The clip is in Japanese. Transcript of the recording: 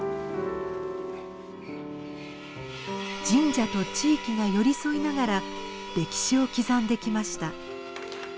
神社と地域が寄り添いながら歴史を刻んできました。